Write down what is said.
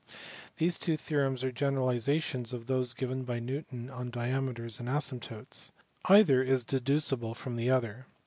These two theorems are generalizations of those given by Newton on diameters and asymptotes. Either is deducible from the other.